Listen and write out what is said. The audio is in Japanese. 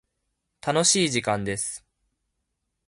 楽しい時間です。